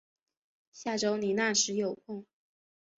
下周你那时有空